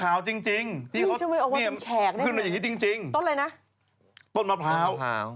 เอาว่าเป็นแฉกได้เลยนะต้นอะไรนะต้นมะพร้าว